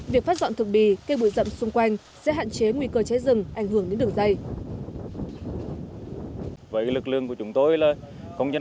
việc phát dọn thực bì cây bụi rậm xung quanh sẽ hạn chế nguy cơ cháy rừng ảnh hưởng đến đường dây